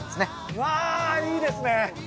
うわぁいいですね。